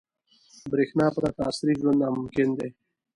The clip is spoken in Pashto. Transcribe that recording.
• برېښنا پرته عصري ژوند ناممکن دی.